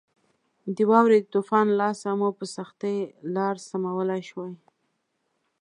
د واورې د طوفان له لاسه مو په سختۍ لار سمولای شوای.